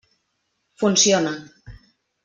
Funciona.